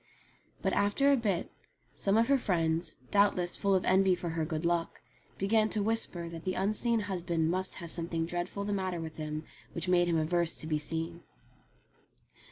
But, after a bit, some of her friends, doubtless full of envy for her good luck, began to whisper that the unseen husband must have something dreadful the matter with him which made him averse to being seen.